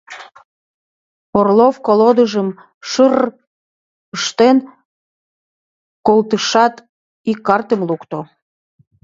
Орлов колодыжым шыр-р ыштен колтышат, ик картым лукто.